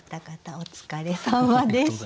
お疲れさまでした。